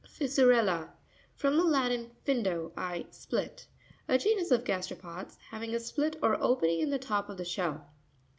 Fissurr'Lta.—From the Latin, findo, I split, A genus of gasteropods having a split or opening in the top of the shell.